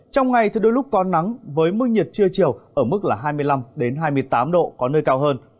trong ngày thì đôi lúc có nắng với mức nhiệt trưa chiều ở mức hai mươi năm hai mươi tám độ có nơi cao hơn